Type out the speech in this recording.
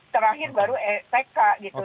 terakhir baru tk gitu